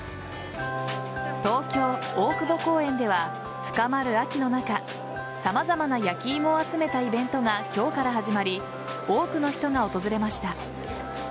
東京・大久保公園では深まる秋の中様々な焼き芋を集めたイベントが今日から始まり多くの人が訪れました。